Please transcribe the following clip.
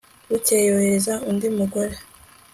bukeye yohereza undi mugore